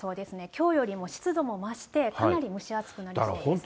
きょうよりも湿度も増して、かなり蒸し暑くなりそうです。